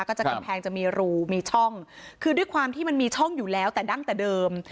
จะกำแพงจะมีรูมีช่องคือด้วยความที่มันมีช่องอยู่แล้วแต่ดั้งแต่เดิม